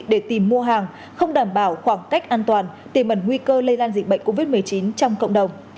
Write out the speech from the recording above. để tìm mua hàng không đảm bảo khoảng cách an toàn tiềm mẩn nguy cơ lây lan dịch bệnh covid một mươi chín trong cộng đồng